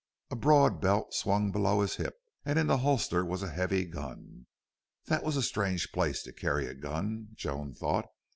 A broad belt swung below his hip and in the holster was a heavy gun. That was a strange place to carry a gun, Joan thought.